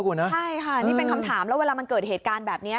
ใช่ค่ะนี่เป็นคำถามแล้วเวลามันเกิดเหตุการณ์แบบนี้